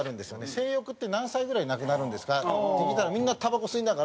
「性欲って何歳ぐらいでなくなるんですか」って聞いたらみんなたばこ吸いながら「６８」って。